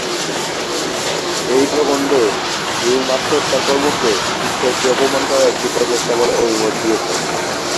এই প্রবন্ধে হিউম আত্মহত্যার কর্মকে, ঈশ্বরকে অপমান করার একটি প্রচেষ্টা বলে অভিমত দিয়েছেন।